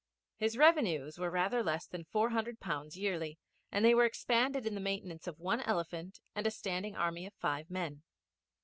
His revenues were rather less than four hundred pounds yearly, and they were expended in the maintenance of one elephant and a standing army of five men.